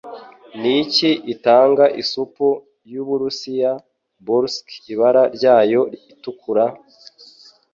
Niki gitanga isupu yu Burusiya Borscht Ibara ryayo itukura?